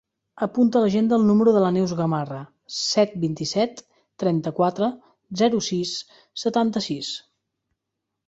Apunta a l'agenda el número de la Neus Gamarra: set, vint-i-set, trenta-quatre, zero, sis, setanta-sis.